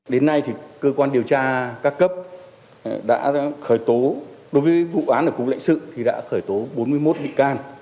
đến nay thì cơ quan điều tra các cấp đã khởi tố đối với vụ án ở cục lãnh sự thì đã khởi tố bốn mươi một bị can